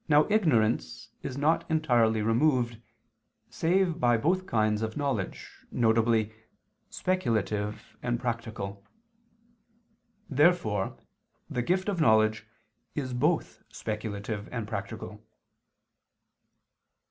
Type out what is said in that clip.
Now ignorance is not entirely removed, save by both kinds of knowledge, viz. speculative and practical. Therefore the gift of knowledge is both speculative and practical.